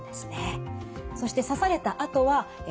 そして刺されたあとは前田さん